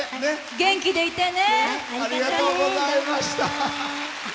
元気でいてね。